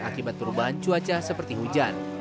akibat perubahan cuaca seperti hujan